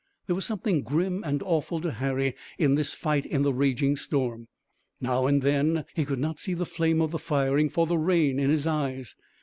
There was something grim and awful to Harry in this fight in the raging storm. Now and then, he could not see the flame of the firing for the rain in his eyes.